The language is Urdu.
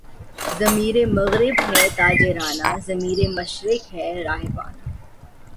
ضمیرِ مغرب ہے تاجرانہ، ضمیر مشرق ہے راہبانہ